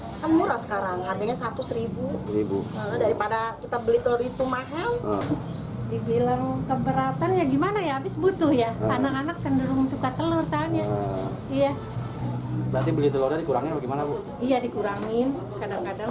anak anak kenderung suka telur caranya iya beli telur dikurangin bagaimana iya dikurangin kadang kadang